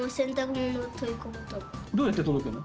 どうやって届くの？